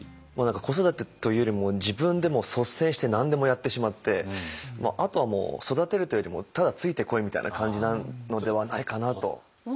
子育てというよりも自分で率先して何でもやってしまってあとは育てるというよりもただ「ついてこい」みたいな感じなのではないかなと。